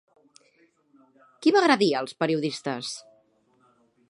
Qui va agredir als periodistes?